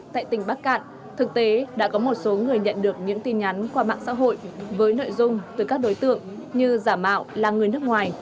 tại tỉnh bắc cạn thực tế đã có một số người nhận được những tin nhắn qua mạng xã hội với nội dung từ các đối tượng như giả mạo là người nước ngoài